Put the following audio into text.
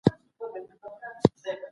که ټولګي ارام وي، تمرکز خراب نه کېږي.